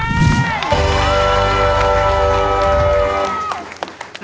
โอ้โฮ